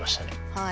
はい。